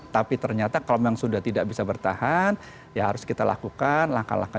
tapi ternyata kalau memang sudah tidak bisa bertahan ya harus kita lakukan langkah langkah